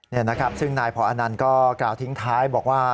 นี่นะครับซึ่งนายพออนันต์ก็กล่าวทิ้งท้ายบอกว่า